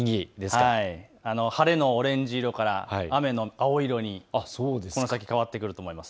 晴れのオレンジ色から雨の青色にこの先、変わってくると思います。